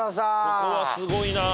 ここはすごいなぁ。